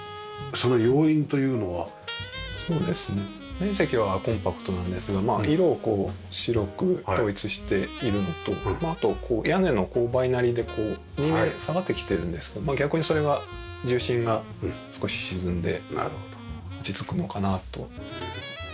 面積はコンパクトなんですが色を白く統一しているのとあと屋根の勾配なりで下がってきているんですけど逆にそれが重心が少し沈んで落ち着くのかなと。